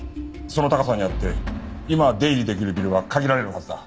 その高さにあって今出入りできるビルは限られるはずだ。